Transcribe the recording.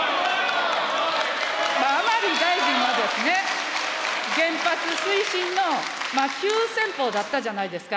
甘利大臣もですね、原発推進の急先鋒だったじゃないですか。